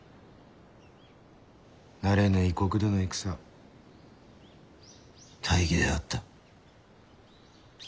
慣れぬ異国での戦大儀であった。